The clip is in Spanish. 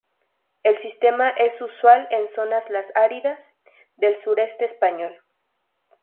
El sistema es usual en zonas las áridas del sureste español.